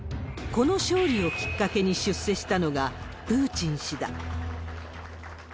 この勝利をきっかけに出世したのが、プーチン氏だ。